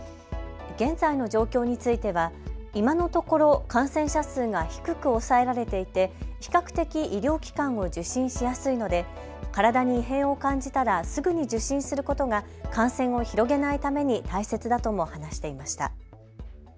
現在の状況については今のところ感染者数が低く抑えられていて比較的、医療機関を受診しやすいので体に異変を感じたらすぐに受診することが感染を広げないために大切だとも話していました。